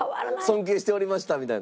尊敬しておりましたみたいな。